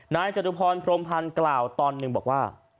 จตุพรพรมพันธ์กล่าวตอนหนึ่งบอกว่า